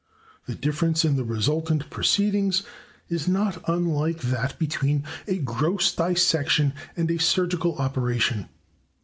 The difference in the resultant proceedings is not unlike that between a gross dissection and a surgical operation.